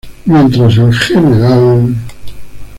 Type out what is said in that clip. Mientras el Gral.